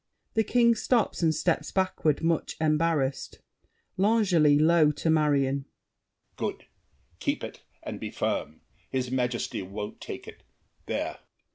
[The King stops and steps backward, much embarrassed. L'ANGELY (low to Marion). Good! Keep it, and be firm! His Majesty won't take it, there!